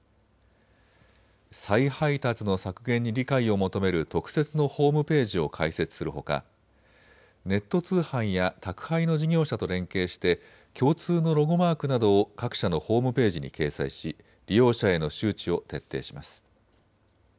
再配達の削減に理解を求める特設のホームページを開設するほかネット通販や宅配の事業者と連携して共通のロゴマークなどを各社のホームページに掲載し利用者への周知を徹底します。